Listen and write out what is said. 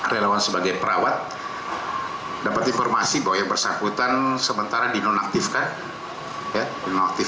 relawan sebagai perawat dapat informasi bahwa yang bersangkutan sementara dinonaktifkan ya nonaktif